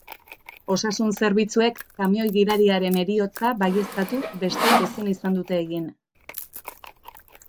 Osasun-zerbitzuek kamioi-gidariaren heriotza baieztatu besteik ezin izan dute egin.